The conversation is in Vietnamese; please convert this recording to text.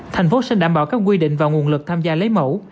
thành phố sẽ đảm bảo các quy định và nguồn lực tham gia lấy mẫu